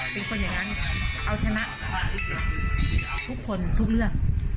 เป็นคนอย่างนั้นเอาชนะทุกคนทุกเรื่อง